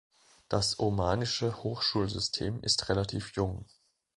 Das omanische Hochschulsystem ist relativ jung.